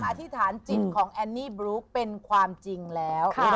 อธิษฐานจิตของแอนนี่บลุ๊กเป็นความจริงแล้ว